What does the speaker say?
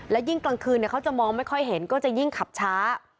และยิ่งกลางคืนเขาจะมองไม่ค่อยเห็นก็จะยิ่งขับช้า